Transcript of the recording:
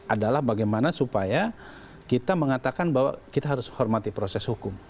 adalah bagaimana supaya kita mengatakan bahwa kita harus hormati proses hukum